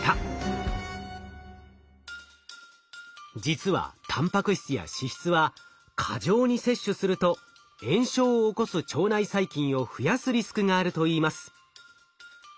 実はたんぱく質や脂質は過剰に摂取すると炎症を起こす腸内細菌を増やすリスクがあるといいます。